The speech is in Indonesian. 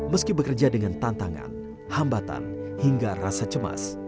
meski bekerja dengan tantangan hambatan hingga rasa cemas